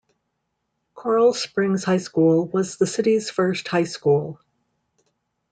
Coral Springs High School was the city's first high school.